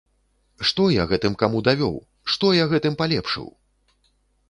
Што я гэтым каму давёў, што я гэтым палепшыў?